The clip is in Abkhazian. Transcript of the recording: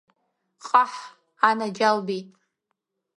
Ҟаҳ, анаџьалбеит!